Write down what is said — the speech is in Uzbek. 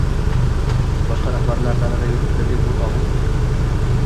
Boshqa rahbarlar dalada yuribdi», dedi o‘rtog‘im.